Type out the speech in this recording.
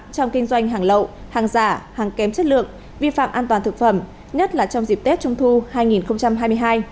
trong kinh doanh hàng lậu hàng giả hàng kém chất lượng vi phạm an toàn thực phẩm nhất là trong dịp tết trung thu hai nghìn hai mươi hai